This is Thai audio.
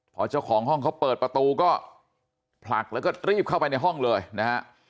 พอเจ้าของห้องเขาเปิดประตูก็ผลักแล้วก็รีบเข้าไปในห้องเลยนะฮะ